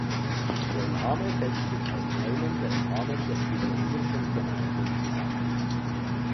Der Name setzt sich aus Teilen der Namen der fusionierten Gemeinden zusammen.